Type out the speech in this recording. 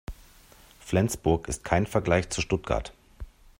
Flensburg ist kein Vergleich zu Stuttgart